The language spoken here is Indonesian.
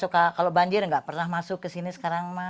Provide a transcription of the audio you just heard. kalau banjir nggak pernah masuk ke sini sekarang mah